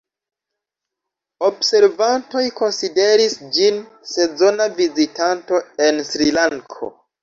Observantoj konsideris ĝin sezona vizitanto en Srilanko.